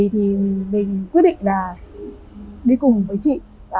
thì mình quyết định là đi cùng với chị